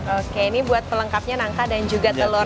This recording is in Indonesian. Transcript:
oke ini buat pelengkapnya nangka dan juga telur